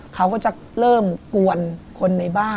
เขาก็จะเริ่มกวนคนในบ้าน